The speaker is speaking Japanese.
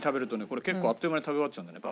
これ結構あっという間に食べ終わっちゃうんだよね